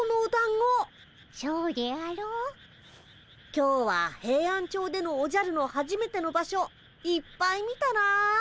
今日はヘイアンチョウでのおじゃるのはじめての場所いっぱい見たなあ。